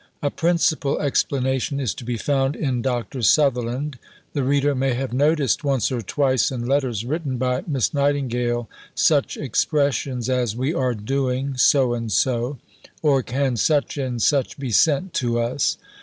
A principal explanation is to be found in Dr. Sutherland. The reader may have noticed once or twice in letters written by Miss Nightingale such expressions as "We are doing" so and so, or "Can such and such be sent to us."